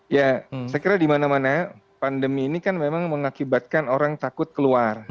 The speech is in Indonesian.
ya saya kira dimana mana pandemi ini kan memang mengakibatkan orang takut keluar